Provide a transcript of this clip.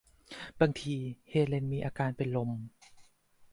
บางที เฮเลนมีอาการเป็นลม